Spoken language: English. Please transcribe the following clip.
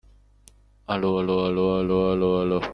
It takes heat to bring out the odor.